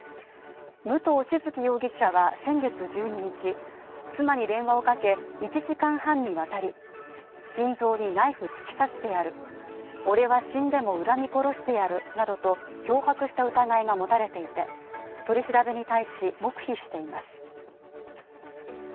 武藤静城容疑者は先月１２日妻に電話をかけ、１時間半にわたり心臓にナイフ突き刺してやる、俺は死んでも恨み殺してやるなどと脅迫した疑いが持たれていて取り調べに対し、黙秘しています。